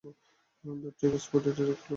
Patrick Stewart এবং Eric Clapton দুই ভাই।